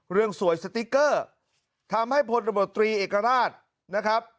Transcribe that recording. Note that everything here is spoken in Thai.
เรื่องสวยสติ๊กเกอร์ทำให้ผลระบบตรีเอกราชนะครับ